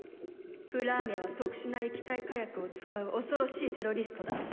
プラーミャは特殊な液体火薬を使う恐ろしいテロリストだ。